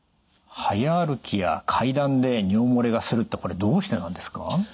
速歩きや階段で尿漏れがするってこれどうしてなんですか？